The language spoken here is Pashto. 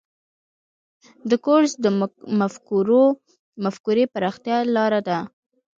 کورس د مفکورې پراختیا لاره ده.